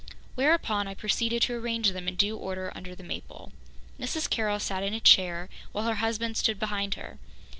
Whereupon I proceeded to arrange them in due order under the maple. Mrs. Carroll sat in a chair, while her husband stood behind her.